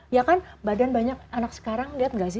ya kan badan banyak anak sekarang lihat nggak sih